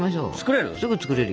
作れる？